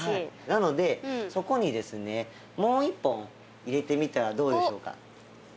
なのでそこにですねもう一本入れてみてはどうでしょうか。